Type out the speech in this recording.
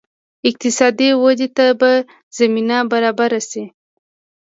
اقتصادي ودې ته به زمینه برابره شي.